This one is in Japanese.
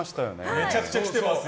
めちゃくちゃ来てますよ。